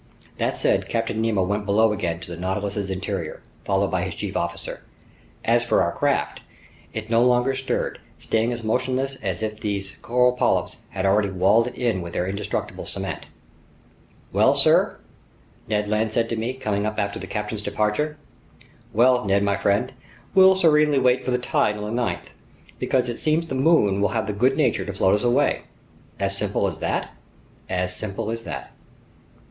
This said, Captain Nemo went below again to the Nautilus's interior, followed by his chief officer. As for our craft, it no longer stirred, staying as motionless as if these coral polyps had already walled it in with their indestructible cement. "Well, sir?" Ned Land said to me, coming up after the captain's departure. "Well, Ned my friend, we'll serenely wait for the tide on the 9th, because it seems the moon will have the good nature to float us away!" "As simple as that?" "As simple as that."